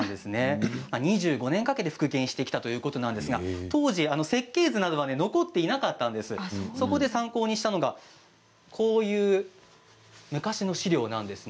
２５年かけて復元されたということですが当時の設計図などは残っていなかったそうで参考にしたのがこういう昔の資料なんです。